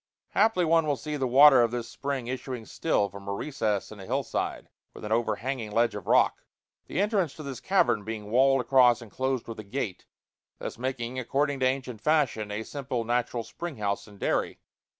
Haply one will see the water of this spring issuing still from a recess in a hill side, with an overhanging ledge of rock the entrance to this cavern being walled across and closed with a gate, thus making, according to ancient fashion, a simple natural spring house and dairy.